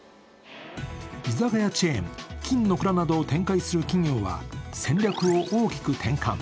居酒屋チェーン、金の蔵などを展開するこちらの企業は、戦略を大きく転換。